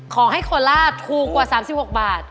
ขอให้โคล่าถูกกว่า๓๖บาท